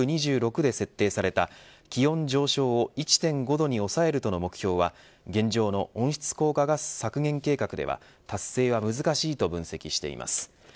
ＣＯＰ２６で設定された気温上昇を１．５度に抑えるという目標は現状の温室効果ガス削減計画では達成は難しいと分析しています。